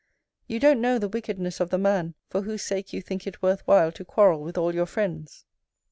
You don't know the wickedness of the man for whose sake you think it worth while to quarrel with all your friends.